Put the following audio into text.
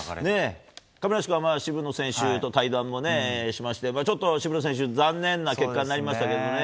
亀梨君は渋野選手と対談もしましてちょっと渋野選手、残念な結果になりましたけどね。